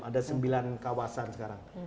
ada sembilan kawasan sekarang